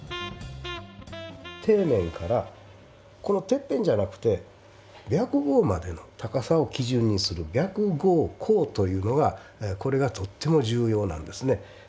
底面からこのてっぺんじゃなくて白毫までの高さを基準にする白毫高というのがこれがとっても重要なんですね。